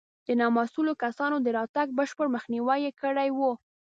د نامسوولو کسانو د راتګ بشپړ مخنیوی یې کړی و.